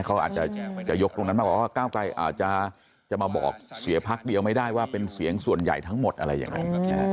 เขาอาจจะยกตรงนั้นมาบอกว่าก้าวไกลอาจจะมาบอกเสียพักเดียวไม่ได้ว่าเป็นเสียงส่วนใหญ่ทั้งหมดอะไรอย่างนั้น